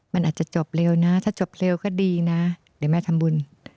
มันอาจจะจบเร็วนะถ้าจบเร็วก็ดีนะเดี๋ยวแม่ทำบุญ